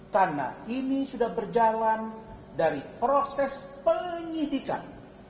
karena ini sudah berjalan dari proses penyidikan